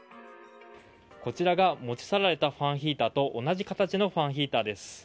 こちらが持ち去られたファンヒーターと同じ形のファンヒーターです。